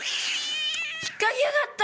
引っかきやがった！